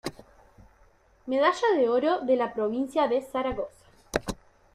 Medalla de Oro de Ia Provincia de Zaragoza.